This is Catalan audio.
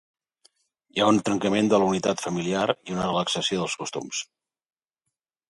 Hi ha un trencament de la unitat familiar i una relaxació dels costums.